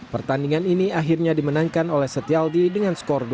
pertandingan ini akhirnya dimenangkan oleh setialdi dengan skor dua